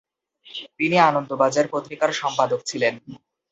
তিনি আনন্দবাজার পত্রিকার সম্পাদক ছিলেন।